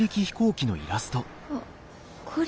あっこれ。